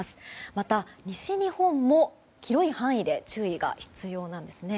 また、西日本も広い範囲で注意が必要なんです。